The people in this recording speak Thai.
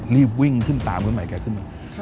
รีบวิ่งตามคุณใหม่แกขึ้นมา